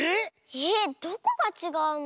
えっどこがちがうの？